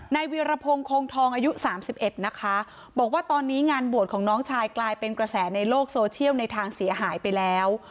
เวียรพงศ์โคงทองอายุสามสิบเอ็ดนะคะบอกว่าตอนนี้งานบวชของน้องชายกลายเป็นกระแสในโลกโซเชียลในทางเสียหายไปแล้ว